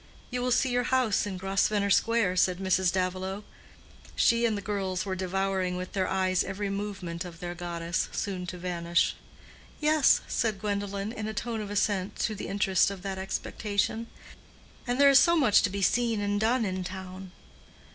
"You will see your house in Grosvenor Square," said Mrs. Davilow. She and the girls were devouring with their eyes every movement of their goddess, soon to vanish. "Yes," said Gwendolen, in a tone of assent to the interest of that expectation. "And there is so much to be seen and done in town."